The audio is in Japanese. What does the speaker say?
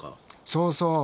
そうそう。